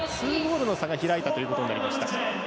２ゴールの差が開いたことになりました。